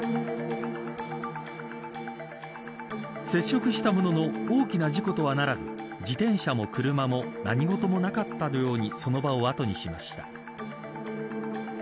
接触したものの大きな事故とはならず自転車も車も何事もなかったかのようにその場を後にしました。